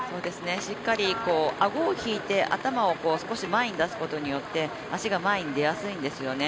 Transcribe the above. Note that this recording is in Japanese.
しっかり顎を引いて頭を少し前に出すことによって足が前に出やすいんですね。